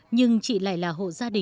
nhưng chị lại là hộ gia đình